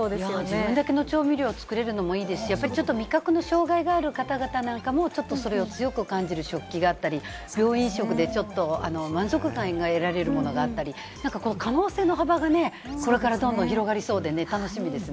自分だけの調味料を作れるのもいいし、味覚の障害があるかたがたなんかも、ちょっとそれを強く感じる食器があったり、病院食でちょっと満足感が得られるものがあったり、可能性の幅がね、これからどんどん広がりそうで楽しみですね。